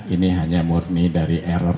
ini hanya murni dari error